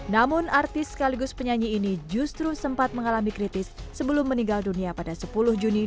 namun artis sekaligus penyanyi ini justru sempat mengalami kritis sebelum meninggal dunia pada sepuluh juni dua ribu